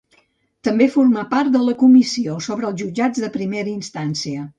També formà part de la comissió sobre els Jutjats de Primera Instància.